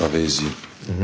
うん。